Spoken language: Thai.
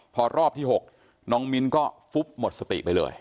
พอรอบที่๖น้องมิ้นก็ฟุบหมดสติไปเลย